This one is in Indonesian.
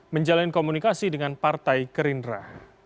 menjalani komunikasi dengan partai kerindra